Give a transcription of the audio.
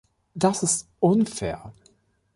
Das ist unfair.